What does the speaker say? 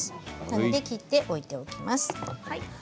切って置いておきます。